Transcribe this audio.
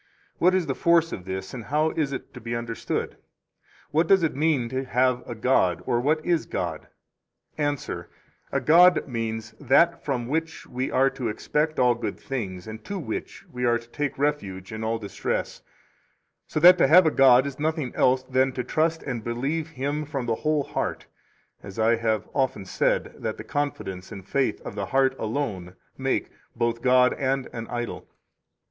What is the force of this, and how is it to be understood? What does it mean to have a god? or, what is God? 2 Answer: A god means that from which we are to expect all good and to which we are to take refuge in all distress, so that to have a God is nothing else than to trust and believe Him from the [whole] heart; as I have often said that the confidence and faith of the heart alone make both God and an idol.